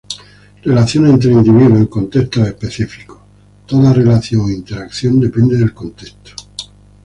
Relaciones entre individuos en contextos específicos: toda relación o interacción depende del contexto.